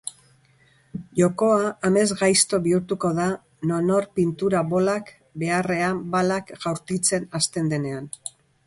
Jokoa amesgaizto bihurtuko da nonor pintura bolak beharrean balak jaurtitzen hasten denean.